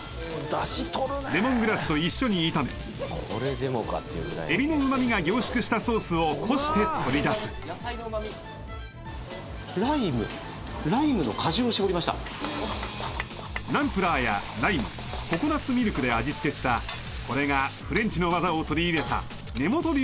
ダシ取るねーレモングラスと一緒に炒めこれでもかっていうぐらいエビのうまみが凝縮したソースをこして取り出すライムライムの果汁を搾りましたナンプラーやライムココナッツミルクで味つけしたこれがフレンチの技を取り入れた根本流